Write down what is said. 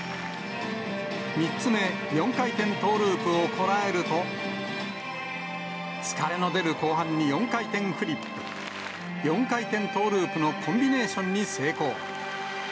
３つ目、４回転トーループをこらえると、疲れの出る後半に４回転フリップ、４回転トーループのコンビネーションに成功。